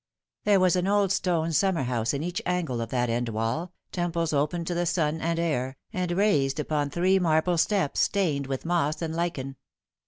There was an old stone summer house in each angle of that end wall, temples open to the sun and air, and raised upon three marble steps, stained with moss and lichen.